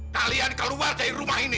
kalian keluar dari rumah ini